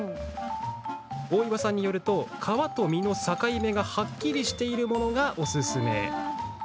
大岩さんによると皮と実の境目がはっきりしているものがおすすめ。